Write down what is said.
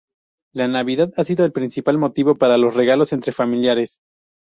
La Navidad ha sido el principal motivo para los regalos entre familiares.